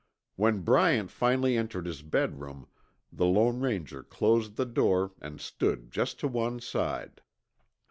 When Bryant finally entered his bedroom, the Lone Ranger closed the door and stood just to one side.